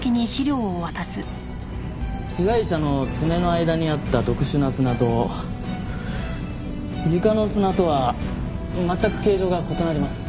被害者の爪の間にあった特殊な砂と床の砂とは全く形状が異なります。